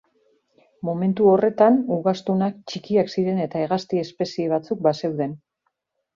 Momentu horretan ugaztunak txikiak ziren eta hegazti espezie batzuk bazeuden.